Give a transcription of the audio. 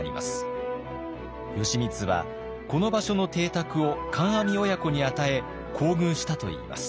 義満はこの場所の邸宅を観阿弥親子に与え厚遇したといいます。